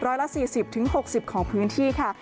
ร้อยละ๔๐๖๐ของพื้นที่ค่ะ